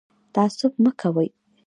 تعصب مه کوئ